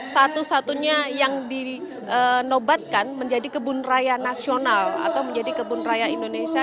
satu satunya yang dinobatkan menjadi kebun raya nasional atau menjadi kebun raya indonesia